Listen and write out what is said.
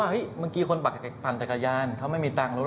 ว่าเฮ้ยเมื่อกี้คนปักแกะปันจักรยานเขาไม่มีตังค์รู้